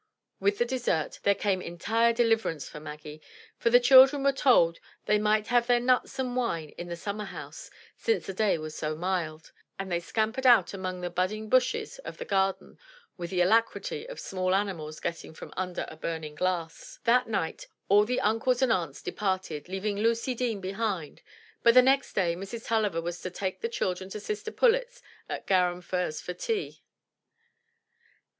With the dessert, there came entire deliverance for Maggie, for the children were told they might have their nuts and wine in the summer house, since the day was so mild; and they scampered out among the budding bushes of the garden with the alacrity of small animals getting from under a burning glass. 227 MY BOOK HOUSE That night all the uncles and aunts departed, leaving Lucy Deane behind, but the next day, Mrs. TuUiver was to take the children to sister Pullet's at Garum Firs for tea.